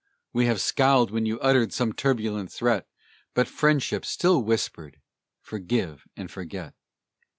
We have scowled when you uttered some turbulent threat; But Friendship still whispered: "Forgive and forget."